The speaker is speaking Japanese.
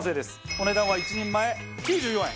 お値段は１人前９４円。